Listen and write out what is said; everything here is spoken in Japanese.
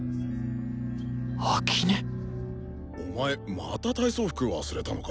秋音⁉お前また体操服忘れたのか？